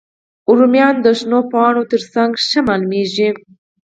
رومیان د شنو پاڼو تر څنګ ښه ښکاري